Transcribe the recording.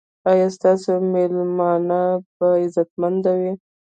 ایا ستاسو میلمانه به عزتمن وي؟